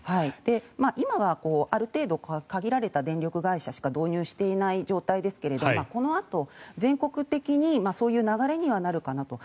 今はある程度限られた電力会社しか導入していない状態ですがこのあと、全国的にそういう流れにはなるかなと。